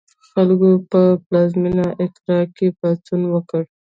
خلکو په پلازمېنه اکرا کې پاڅون وکړ.